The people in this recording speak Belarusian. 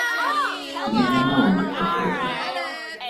Мне няма ў іх патрэбы.